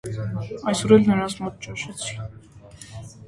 Այսօր էլ նրանց մոտ ճաշեցի: